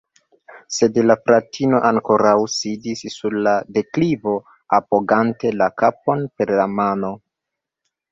Sed la fratino ankoraŭ sidis sur la deklivo, apogante la kapon per la mano.